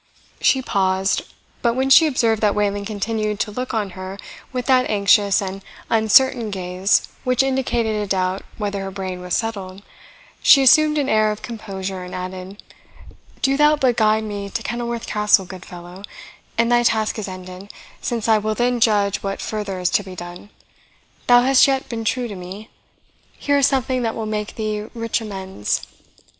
She paused; but when she observed that Wayland continued to look on her with that anxious and uncertain gaze which indicated a doubt whether her brain was settled, she assumed an air of composure, and added, "Do thou but guide me to Kenilworth Castle, good fellow, and thy task is ended, since I will then judge what further is to be done. Thou hast yet been true to me here is something that will make thee rich amends."